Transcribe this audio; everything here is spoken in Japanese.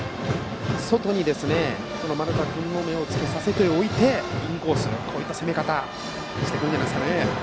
外に丸田君の目をつけさせておいてインコース、こういった攻め方をしてくるんじゃないですかね。